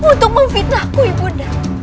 untuk memfitnahku ibu darah